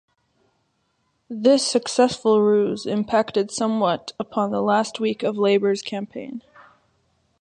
This successful ruse impacted somewhat upon the last week of Labor's campaign.